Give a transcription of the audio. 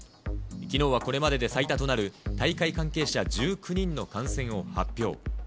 きのうはこれまでで最多となる、大会関係者１９人の感染を発表。